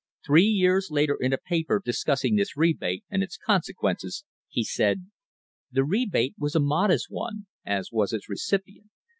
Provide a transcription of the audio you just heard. Three years later in a paper discussing this rebate and its consequences he said: "The rebate was a modest one, as was its recipient.